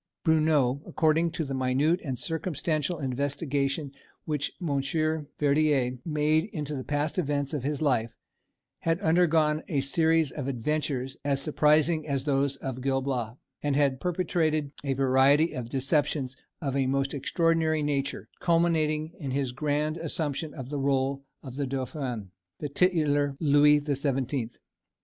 Bruneau, according to the minute and circumstantial investigation which Monsieur Verdière made into the past events of his life, had undergone a series of adventures as surprising as those of Gil Blas, and had perpetrated a variety of deceptions of a most extraordinary nature, culminating in his grand assumption of the rôle of the dauphin, the titular "Louis the Seventeenth."